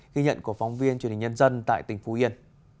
ghi nhận của phóng viên truyền hình nhân dân tại tỉnh phú yên